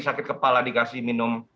sakit kepala dikasih minum